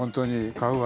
買うわ！